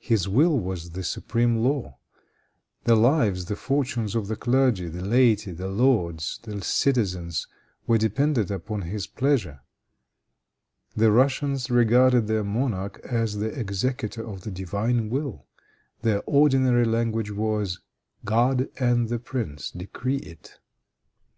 His will was the supreme law. The lives, the fortunes of the clergy, the laity, the lords, the citizens were dependent upon his pleasure. The Russians regarded their monarch as the executor of the divine will. Their ordinary language was, God and the prince decree it.